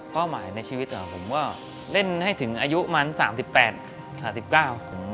ข้อหมายในชีวิตผมก็เล่นให้ถึงอายุประมาณ๓๘๓๙